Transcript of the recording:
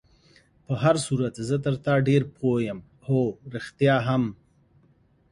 په هر صورت زه تر تا ډېر پوه یم، هو، رښتیا هم.